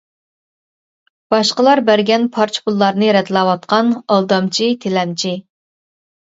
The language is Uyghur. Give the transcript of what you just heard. باشقىلار بەرگەن پارچە پۇللارنى رەتلەۋاتقان ئالدامچى تىلەمچى.